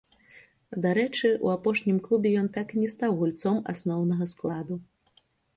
Дарэчы, у апошнім клубе ён так і не стаў гульцом асноўнага складу.